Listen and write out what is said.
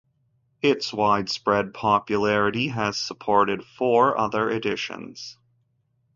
Its widespread popularity has supported four other editions.